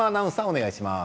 お願いします。